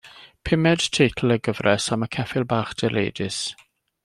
Pumed teitl y gyfres am y ceffyl bach direidus.